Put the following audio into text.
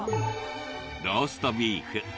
ローストビーフ。